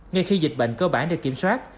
ngay khi dịch bệnh cơ bản được kiểm soát